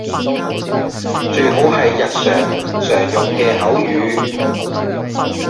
最好係日常常用嘅口語